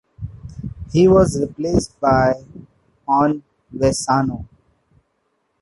He was replaced by Jon Vesano.